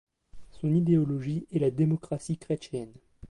Son idéologie est la démocratie chrétienne.